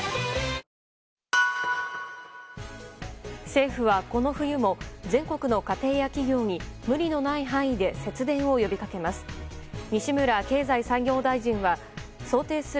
政府は、この冬も全国の家庭や企業に無理のない範囲で節電を呼びかけます。